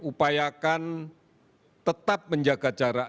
upayakan tetap menjaga jarak